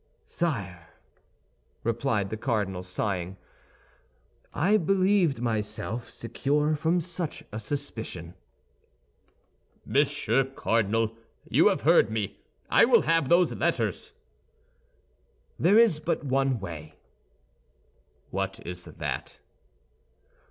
"Sire," replied the cardinal, sighing, "I believed myself secure from such a suspicion." "Monsieur Cardinal, you have heard me; I will have those letters." "There is but one way." "What is that?"